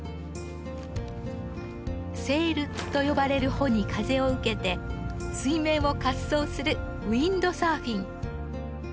セイルと呼ばれる帆に風を受けて水面を滑走するウインドサーフィン。